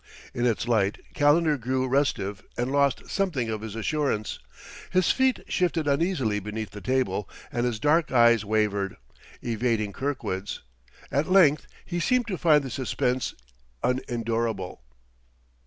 In its light Calendar grew restive and lost something of his assurance. His feet shifted uneasily beneath the table and his dark eyes wavered, evading Kirkwood's. At length he seemed to find the suspense unendurable.